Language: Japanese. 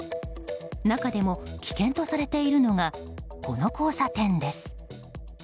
中でも危険とされているのがこの交差点です。